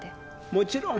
もちろん。